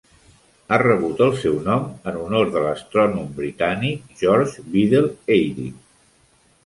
Ha rebut el seu nom en honor de l'astrònom britànic George Biddell Airy.